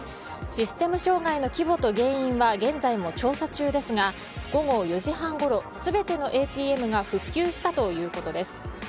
システム障害の規模と原因は現在も調査中ですが午後４時半ごろ全てのＡＴＭが復旧したということです。